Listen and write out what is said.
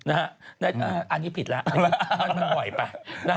อันนี้ผิดแล้วเราไหวไป